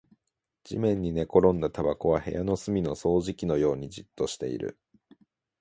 地面に寝転んだタバコは部屋の隅の掃除機のようにじっとしている